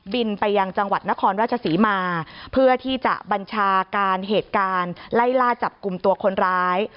ไปยังจังหวัดนครราชศรีมาเพื่อที่จะบัญชาการเหตุการณ์ไล่ล่าจับกลุ่มตัวคนร้าย